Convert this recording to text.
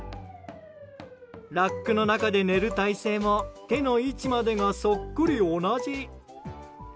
ラックの中で寝る体勢も手の位置までが、そっくり同じ。